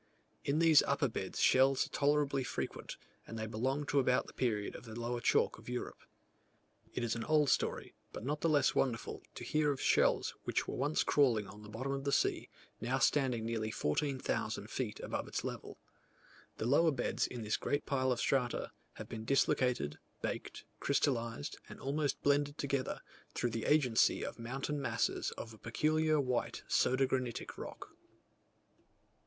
In these upper beds shells are tolerably frequent; and they belong to about the period of the lower chalk of Europe. It is an old story, but not the less wonderful, to hear of shells which were once crawling on the bottom of the sea, now standing nearly 14,000 feet above its level. The lower beds in this great pile of strata, have been dislocated, baked, crystallized and almost blended together, through the agency of mountain masses of a peculiar white soda granitic rock.